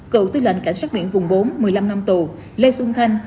cựu tư lệnh cảnh sát biển vùng bốn một mươi năm năm tù lê xuân thanh